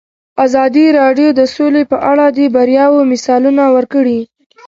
ازادي راډیو د سوله په اړه د بریاوو مثالونه ورکړي.